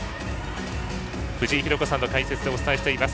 藤井寛子さんの解説でお伝えしています。